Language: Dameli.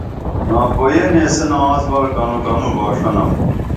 ناپوئییہ نیسنا آنس بار کنو کنو باݜنم